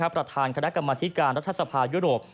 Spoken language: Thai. ประธานคณะกรรมธิการรัฐสภายุโรป